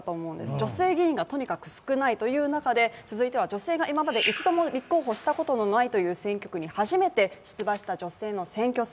女性の議員が少ないという中で続いては女性が今まで一度も立候補したことのないという選挙区に初めて出馬した女性の選挙戦。